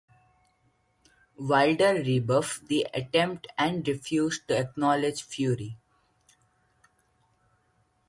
Wilder rebuffed the attempt and refused to acknowledge Fury.